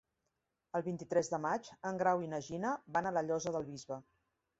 El vint-i-tres de maig en Grau i na Gina van a la Llosa del Bisbe.